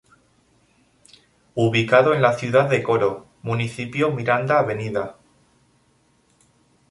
Ubicado en la ciudad de Coro, Municipio Miranda, Av.